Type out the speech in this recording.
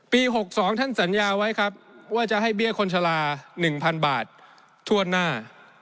๖๒ท่านสัญญาไว้ครับว่าจะให้เบี้ยคนชะลา๑๐๐๐บาททั่วหน้า